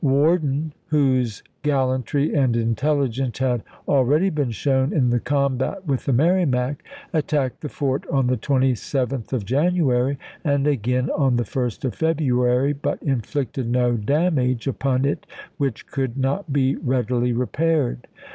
Worden, whose gallantry and intelligence had al ready been shown in the combat with the Merrimac, attacked the fort on the 27th of January, and again i863. on the 1st of February, but inflicted no damage upon it which could not be readily repaired.